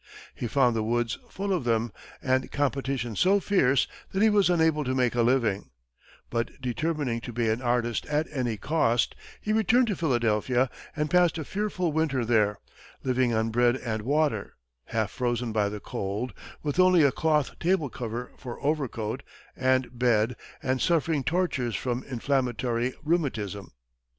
He found the woods full of them, and competition so fierce that he was unable to make a living; but, determining to be an artist at any cost, he returned to Philadelphia and passed a fearful winter there, living on bread and water, half frozen by the cold, with only a cloth table cover for overcoat and bed, and suffering tortures from inflammatory rheumatism.